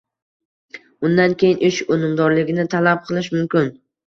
Undan keyin ish unumdorligini talab qilish mumkin.